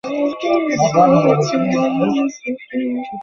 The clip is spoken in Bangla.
একটি মহাসাগর হল পানির আধার।